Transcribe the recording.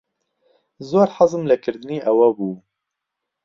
زۆر حەزم لە کردنی ئەوە بوو.